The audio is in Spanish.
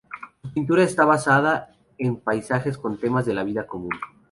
Su pintura está basada en paisajes con temas de la vida común.